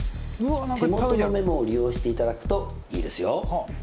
手元のメモを利用していただくといいですよ。